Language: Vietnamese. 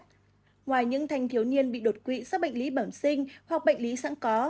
ngoài những thành thiếu niên bị đột quỵ sau bệnh lý bẩm sinh hoặc bệnh lý sẵn có